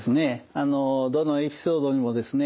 どのエピソードにもですね